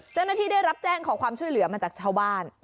เจ้าหน้าที่ได้รับแจ้งขอความช่วยเหลือมาจากชาวบ้าน